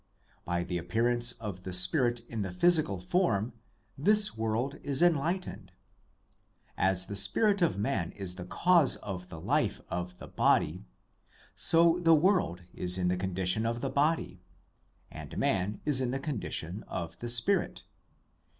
By the appearance of the spirit in the physical form, this world is enlightened. As the spirit of man is the cause of the life of the body, so the world is in the condition of the body, and man is in the condition of the spirit.